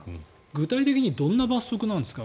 具体的にどんな罰則なんですか？